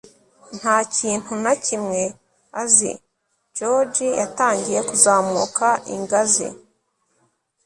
nta kintu na kimwe azi, george yatangiye kuzamuka ingazi